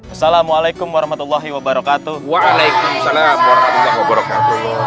assalamualaikum warahmatullahi wabarakatuh waalaikumsalam warahmatullahi wabarakatuh